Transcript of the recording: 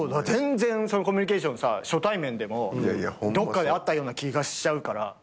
全然コミュニケーションさ初対面でもどっかで会ったような気がしちゃうから。